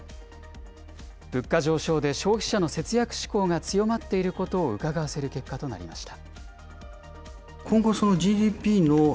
物価上昇で消費者の節約志向が強まっていることをうかがわせる結果となりました。